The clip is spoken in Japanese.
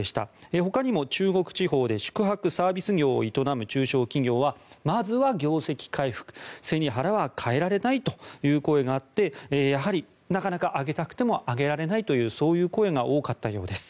ほかにも中国地方で宿泊・サービス業を営む中小企業はまずは業績回復背に腹は代えられないという声があってやはり、なかなか上げたくても上げられないというそういう声が多かったようです。